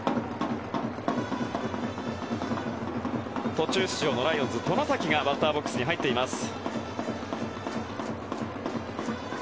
途中出場のライオンズ、外崎がバッターボックスに入っています。